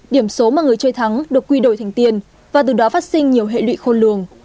điểm số mà người chơi thắng được quy đổi thành tiền và từ đó phát sinh nhiều hệ lụy khôn lường